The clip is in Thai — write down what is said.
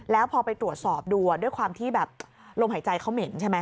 แล้วพอไปตรวจสอบดูด้วยความที่แบบลมหายใจเขาเหม็นใช่ไหม